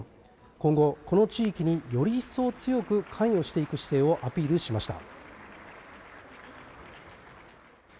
今後、この地域により一層強く関与していく姿勢をアピールしました。